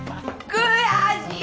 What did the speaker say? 悔しい。